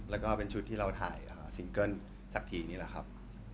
แล้วก็เป็นชุดที่เราถ่ายซิงเกิ้ลสักทีนี่แหละครับ